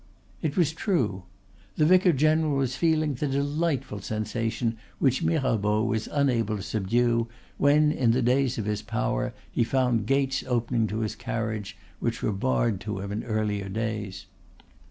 It was true. The vicar general was feeling the delightful sensation which Mirabeau was unable to subdue when in the days of his power he found gates opening to his carriage which were barred to him in earlier days.